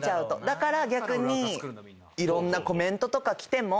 だから逆にいろんなコメントとか来てもまあまあまあまあ。